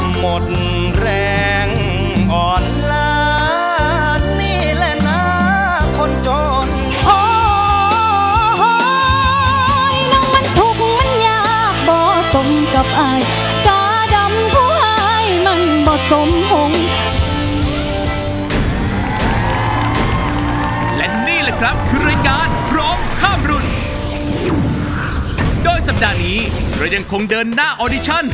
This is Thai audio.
หมดแรงอ่อนลาดนี่แหละนะคนโจร